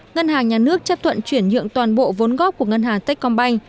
ngân hàng nhà nước chấp thuận chuyển nhượng toàn bộ vốn góp của ngân hàng techcombank